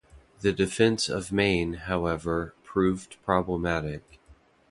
The defense of Maine, however, proved problematic.